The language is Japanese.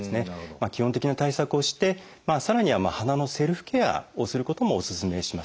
基本的な対策をしてさらには鼻のセルフケアをすることもおすすめします。